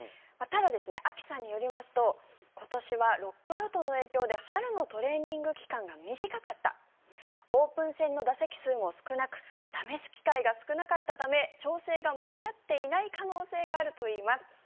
ただ、ＡＫＩさんによりますと今年はロックアウトの影響で春のトレーニング期間が短かったオープン戦の打席数も少なく試す機会が少なかったため調整が間に合っていない可能性があるといいます。